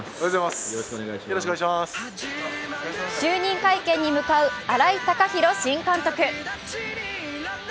就任会見に向かう新井貴浩新監督。